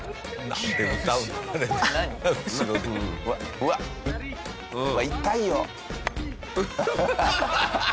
うわっ痛いよ。